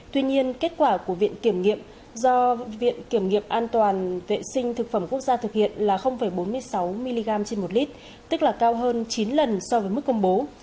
tuy nhiên kết quả của viện kiểm nghiệm do viện kiểm nghiệm an toàn vệ sinh thực phẩm quốc gia thực hiện là bốn mươi sáu mg trên một lít tức là cao hơn chín lần so với mức công bố